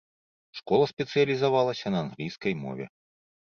Школа спецыялізавалася на англійскай мове.